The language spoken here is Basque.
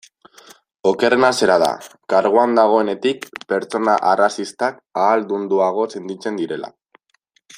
Okerrena zera da, karguan dagoenetik, pertsona arrazistak ahaldunduago sentitzen direla.